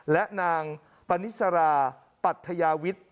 และนางปนิสราปัทยาวิทย์